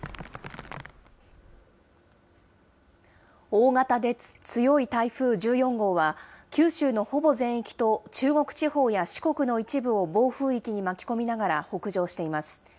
大型で強い台風１４号は、九州のほぼ全域と中国地方や四国の一部を暴風域に巻き込みながら北上しています。